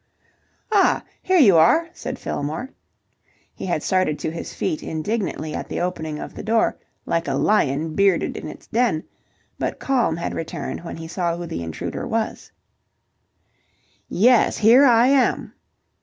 "Ah! Here you are!" said Fillmore. He had started to his feet indignantly at the opening of the door, like a lion bearded in its den, but calm had returned when he saw who the intruder was. "Yes, here I am!"